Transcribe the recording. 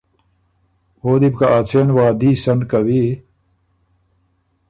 او دی بو که ا څېن وعدي سن کوی